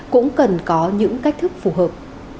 cũng cần có những cách thức phù hợp